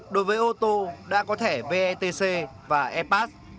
đối với ô tô đã có thẻ vetc và e pat